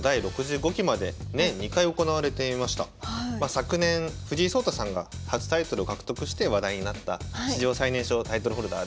昨年藤井聡太さんが初タイトルを獲得して話題になった史上最年少タイトルホルダーですね。